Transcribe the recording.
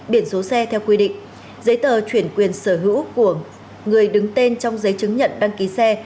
biển số xe theo quy định giấy tờ chuyển quyền sở hữu của người đứng tên trong giấy chứng nhận đăng ký xe